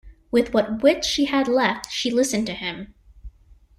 With what wits she had left she listened to him.